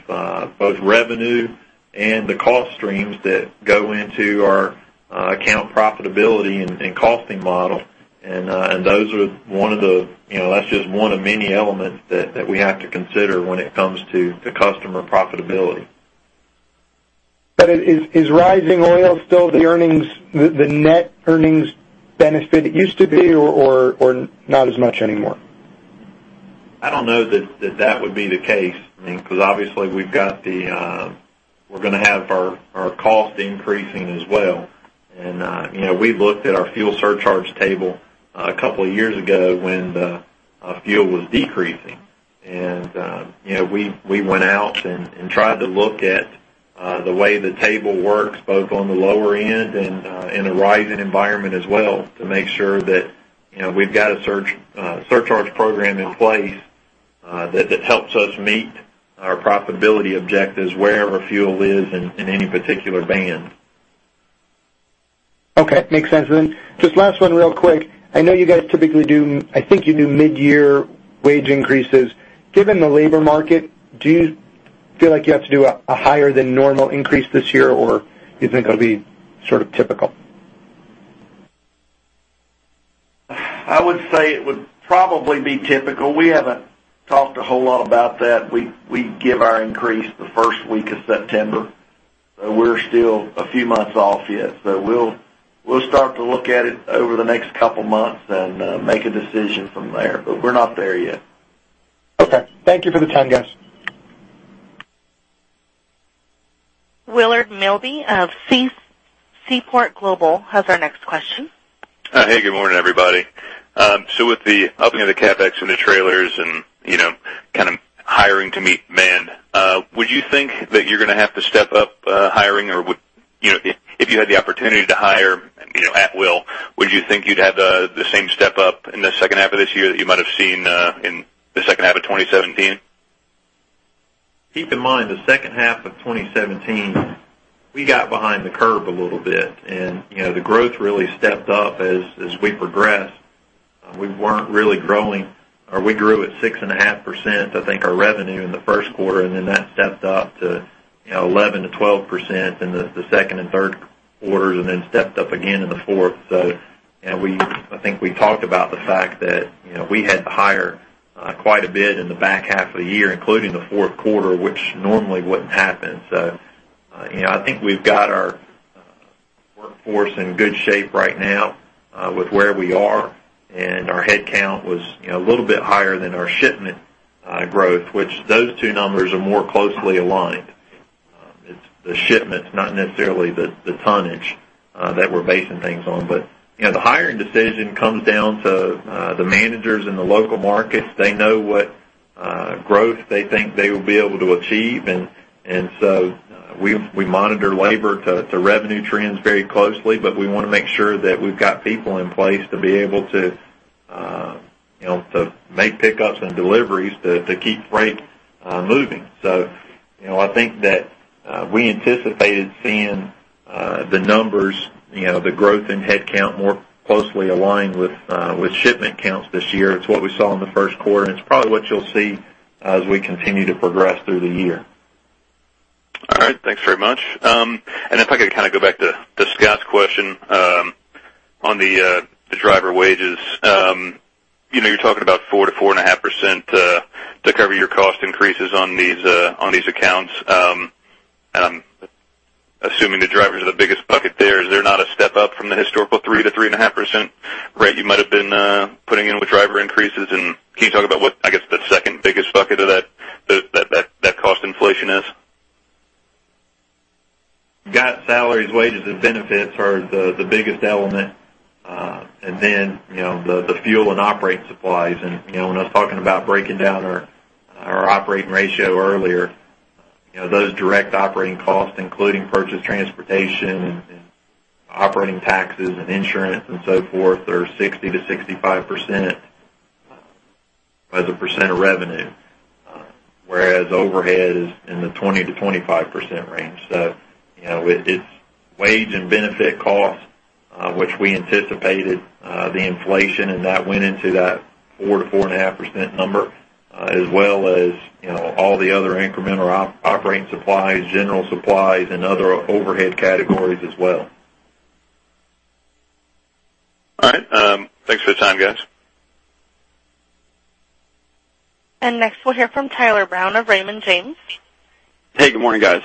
both revenue and the cost streams that go into our account profitability and costing model. That's just one of many elements that we have to consider when it comes to customer profitability.
Is rising oil still the net earnings benefit it used to be, or not as much anymore?
Obviously, we're going to have our cost increasing as well. We've looked at our fuel surcharge table a couple of years ago when the fuel was decreasing. We went out and tried to look at the way the table works, both on the lower end and in a rising environment as well, to make sure that we've got a surcharge program in place that helps us meet our profitability objectives wherever fuel is in any particular band.
Okay. Makes sense then. Just last one real quick. I know you guys typically do, I think you do mid-year wage increases. Given the labor market, do you feel like you have to do a higher than normal increase this year, or do you think it'll be sort of typical?
I would say it would probably be typical. We haven't talked a whole lot about that. We give our increase the first week of September. We're still a few months off yet. We'll start to look at it over the next couple of months and make a decision from there, but we're not there yet.
Okay. Thank you for the time, guys.
Willard Milby of Seaport Global has our next question.
Hey, good morning, everybody. With the upping of the CapEx and the trailers and kind of hiring to meet demand, would you think that you're going to have to step up hiring? Or if you had the opportunity to hire at will, would you think you'd have the same step up in the second half of this year that you might have seen in the second half of 2017?
Keep in mind, the second half of 2017, we got behind the curve a little bit. The growth really stepped up as we progressed. We weren't really growing, or we grew at 6.5%, I think our revenue in the first quarter, then that stepped up to 11%-12% in the second and third quarters, and then stepped up again in the fourth. I think we talked about the fact that we had to hire quite a bit in the back half of the year, including the fourth quarter, which normally wouldn't happen. I think we've got our workforce in good shape right now with where we are. Our headcount was a little bit higher than our shipment growth, which those two numbers are more closely aligned. It's the shipments, not necessarily the tonnage that we're basing things on. The hiring decision comes down to the managers in the local markets. They know what growth they think they will be able to achieve. We monitor labor to revenue trends very closely, but we want to make sure that we've got people in place to be able to make pickups and deliveries to keep freight moving. I think that we anticipated seeing the numbers, the growth in headcount more closely aligned with shipment counts this year. It's what we saw in the first quarter, and it's probably what you'll see as we continue to progress through the year.
All right. Thanks very much. If I could go back to Scott's question on the driver wages. You're talking about 4%-4.5% to cover your cost increases on these accounts. I'm assuming the drivers are the biggest bucket there. Is there not a step up from the historical 3%-3.5% rate you might have been putting in with driver increases? Can you talk about what, I guess, the second biggest bucket of that cost inflation is?
Salaries, wages, and benefits are the biggest element. The fuel and operating supplies. When I was talking about breaking down our operating ratio earlier, those direct operating costs, including purchased transportation and operating taxes and insurance and so forth, are 60%-65% as a percent of revenue. Whereas overhead is in the 20%-25% range. It's wage and benefit costs, which we anticipated the inflation and that went into that 4%-4.5% number, as well as all the other incremental operating supplies, general supplies, and other overhead categories as well.
All right. Thanks for the time, guys.
Next we'll hear from Tyler Brown of Raymond James.
Hey, good morning, guys.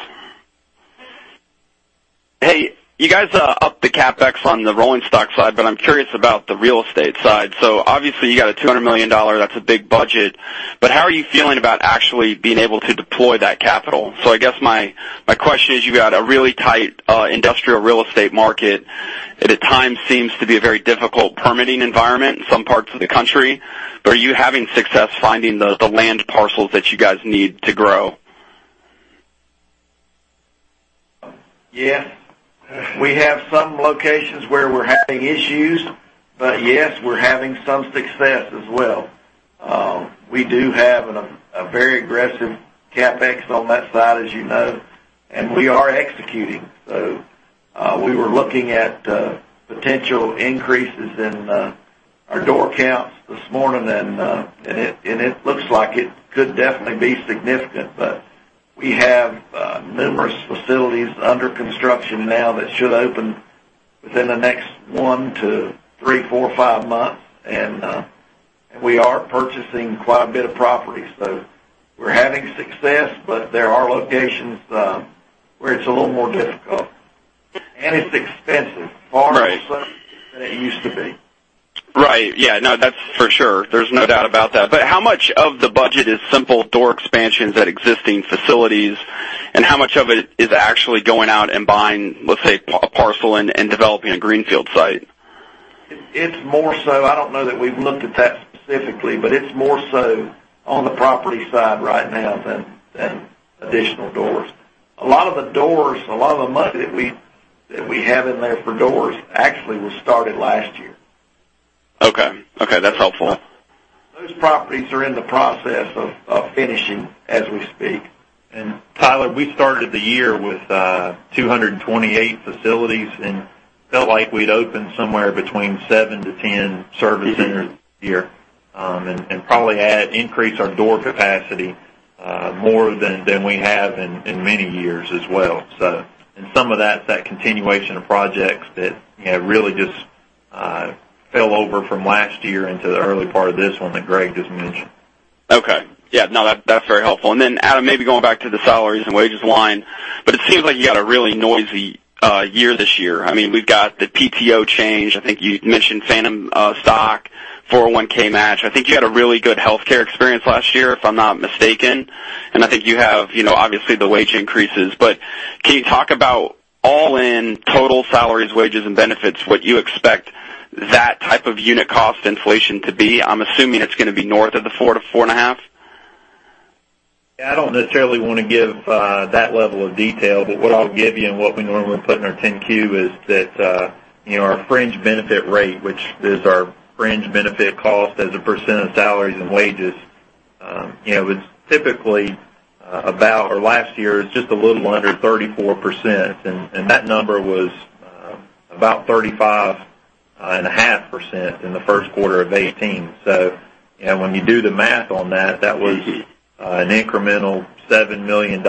You guys upped the CapEx on the rolling stock side, I'm curious about the real estate side. Obviously you got a $200 million, that's a big budget. How are you feeling about actually being able to deploy that capital? I guess my question is, you got a really tight industrial real estate market, and at times seems to be a very difficult permitting environment in some parts of the country. Are you having success finding the land parcels that you guys need to grow?
Yes. We have some locations where we're having issues, yes, we're having some success as well. We do have a very aggressive CapEx on that side, as you know, and we are executing. We were looking at potential increases in our door counts this morning, and it looks like it could definitely be significant, but we have numerous facilities under construction now that should open within the next one to three, four, five months. We are purchasing quite a bit of property. We're having success, but there are locations where it's a little more difficult. It's expensive.
Right
It's far more expensive than it used to be.
Yeah, no, that's for sure. There's no doubt about that. How much of the budget is simple door expansions at existing facilities, and how much of it is actually going out and buying, let's say, a parcel and developing a greenfield site?
I don't know that we've looked at that specifically, but it's more so on the property side right now than additional doors. A lot of the money that we have in there for doors actually was started last year.
Okay. That's helpful.
Those properties are in the process of finishing as we speak.
Tyler, we started the year with 228 facilities and felt like we'd opened somewhere between seven to 10 service centers this year. Probably increase our door capacity, more than we have in many years as well. Some of that's that continuation of projects that really just fell over from last year into the early part of this one that Greg just mentioned.
Okay. Yeah, no, that's very helpful. Then Adam, maybe going back to the salaries and wages line, it seems like you got a really noisy year this year. We've got the PTO change. I think you mentioned phantom stock, 401(k) match. I think you had a really good healthcare experience last year, if I'm not mistaken. I think you have obviously the wage increases. Can you talk about all in total salaries, wages, and benefits, what you expect that type of unit cost inflation to be? I'm assuming it's going to be north of the 4%-4.5%.
Yeah, I don't necessarily want to give that level of detail, what I'll give you and what we normally put in our 10-Q is that our fringe benefit rate, which is our fringe benefit cost as a percent of salaries and wages, last year it was just a little under 34%, and that number was about 35.5% in the first quarter of 2018. When you do the math on that was an incremental $7 million.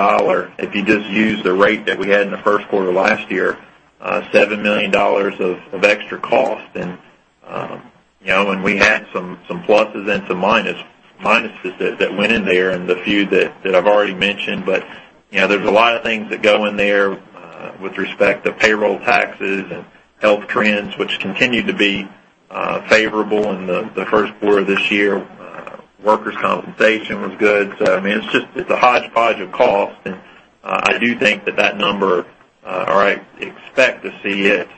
If you just use the rate that we had in the first quarter last year, $7 million of extra cost. We had some pluses and some minuses that went in there and the few that I've already mentioned. There's a lot of things that go in there with respect to payroll taxes and health trends, which continued to be favorable in the first quarter of this year. Workers compensation was good. It's a hodgepodge of costs, and I do think that that number, or I expect to see it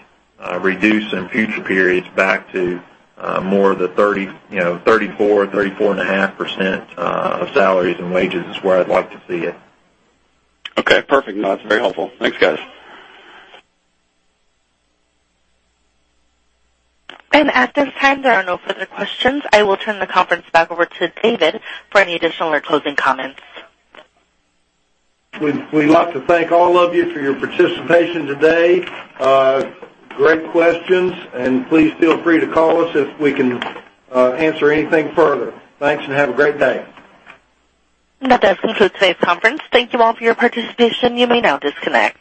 reduce in future periods back to more of the 34%-34.5% of salaries and wages is where I'd like to see it.
Okay, perfect. That's very helpful. Thanks, guys.
At this time, there are no further questions. I will turn the conference back over to David for any additional or closing comments.
We'd like to thank all of you for your participation today. Great questions. Please feel free to call us if we can answer anything further. Thanks. Have a great day.
That does conclude today's conference. Thank you all for your participation. You may now disconnect.